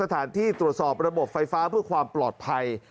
สถานที่ตรวจสอบระบบไฟฟ้าเพื่อความปลอดภัย